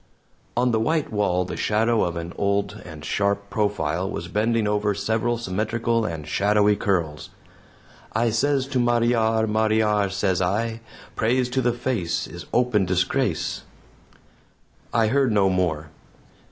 On the white wall the shadow of an old and sharp profile was bending over several symmetrical and shadowy curls. "I sez to Mariar, Mariar, sez I, 'Praise to the face is open disgrace.'" I heard no more.